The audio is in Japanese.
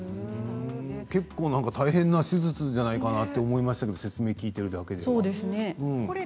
結構、大変な手術じゃないかなと思いましたけど説明を聞いているだけでは。